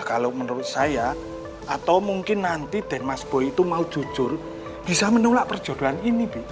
kalau menurut saya atau mungkin nanti den mas boy itu mau jujur bisa menolak perjodohan ini